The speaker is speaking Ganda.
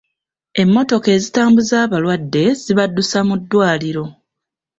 Emmotoka ezitambuza abalwadde zibaddusa mu ddwaliro.